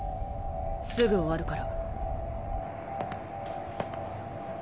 すぐ終わるから。